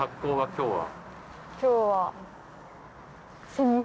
今日は。